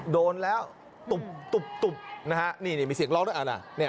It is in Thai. โดนแล้วตุบตุบตุบนะฮะนี่นี่มีเสียงร้องด้วยน่ะน่ะ